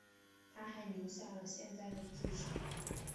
她还留下了现在的住址。